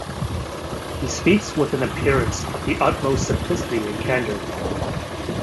He speaks with an appearance of the utmost simplicity and candour.